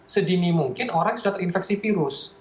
sedini mungkin orang sudah terinfeksi virus